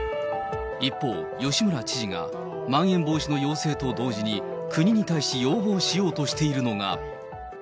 一方、吉村知事がまん延防止の要請と同時に、国に対し要望しようとしているのが。